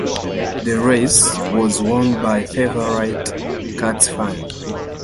The race was won by favourite Cats Fun.